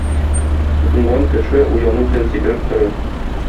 Уңган кеше уяну белән сикереп торыр.